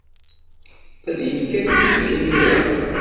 La d-yekkat udfel imir-a.